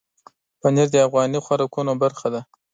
پنېر د افغاني خوراکونو برخه ده.